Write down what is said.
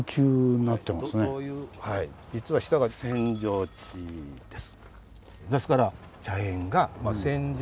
実は下が扇状地です。